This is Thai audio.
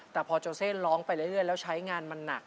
แต่พอโจเซร้องไปเรื่อยแล้วใช้งานมันหนัก